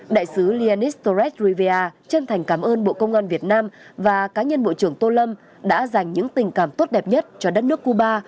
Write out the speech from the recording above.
đại sứ lianistorest rivia chân thành cảm ơn bộ công an việt nam và cá nhân bộ trưởng tô lâm đã dành những tình cảm tốt đẹp nhất cho đất nước cuba